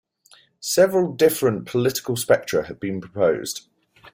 Several different political spectra have been proposed.